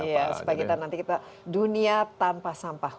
supaya kita nanti kita dunia tanpa sampah